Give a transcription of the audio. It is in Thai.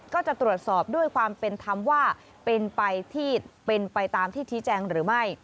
ก็จะตรวจสอบด้วยความเป็นธรรมว่าเป็นไปตามที่ชี้แจงหรือไม่